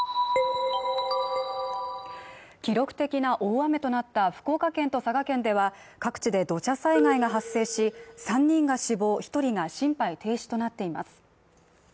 記録的な大雨となった福岡県と佐賀県では各地で土砂災害が発生し３人が死亡、１人が心肺停止となっています。